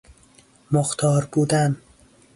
مختار بودن